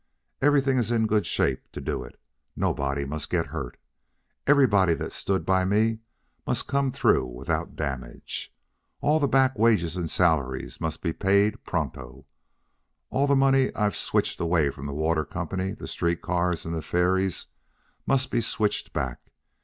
Everything is in good shape to do it. Nobody must get hurt. Everybody that stood by me must come through without damage. All the back wages and salaries must be paid pronto. All the money I've switched away from the water company, the street cars, and the ferries must be switched back.